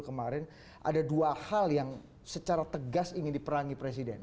kemarin ada dua hal yang secara tegas ingin diperangi presiden